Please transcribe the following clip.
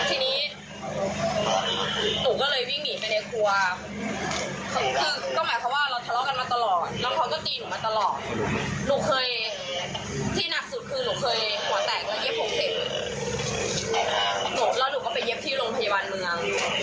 หนูแล้วหนูก็ไปเย็บที่โรงพยาบาลเมืองเขาเป็นคนทำ